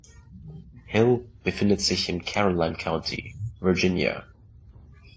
Hill befindet sich im Caroline County, Virginia.